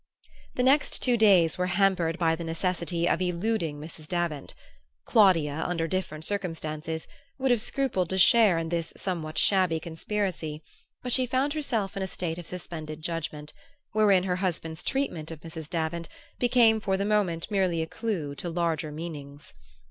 The next two days were hampered by the necessity of eluding Mrs. Davant. Claudia, under different circumstances, would have scrupled to share in this somewhat shabby conspiracy; but she found herself in a state of suspended judgment, wherein her husband's treatment of Mrs. Davant became for the moment merely a clue to larger meanings.